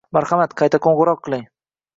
Marhamat, qayta qo'ng'iroq qiling.